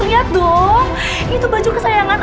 lihat dong itu baju kesayangan